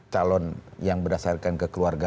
calon yang berdasarkan kekeluargaan